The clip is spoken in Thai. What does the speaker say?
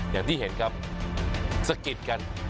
อย่างที่เห็นครับสะกิดกัน